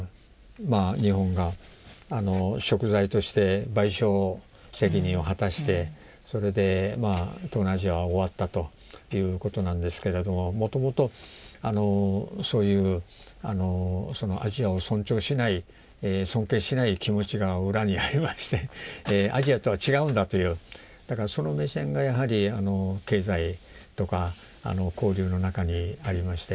日本が贖罪として賠償責任を果たしてそれで東南アジアは終わったということなんですけれどももともとそういうアジアを尊重しない尊敬しない気持ちが裏にありましてアジアとは違うんだというその目線がやはり経済とか交流の中にありまして。